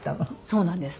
そうなんです。